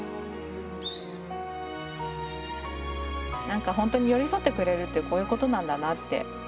何か本当に寄り添ってくれるってこういうことなんだなって。